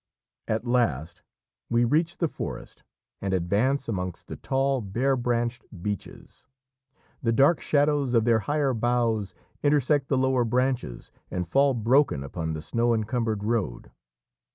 At last we reach the forest, and advance amongst the tall bare branched, beeches; the dark shadows of their higher boughs intersect the lower branches, and fall broken upon the snow encumbered road.